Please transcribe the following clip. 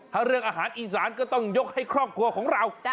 ถ้าเรื่องอาหารอีสานก็ต้องยกให้ครอบครัวของเรา